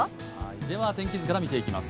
では、天気図から見ていきます。